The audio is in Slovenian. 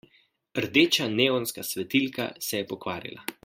Rdeča neonska svetilka se je pokvarila.